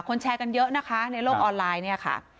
แชร์กันเยอะนะคะในโลกออนไลน์เนี่ยค่ะ